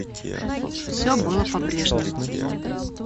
Все было по-прежнему.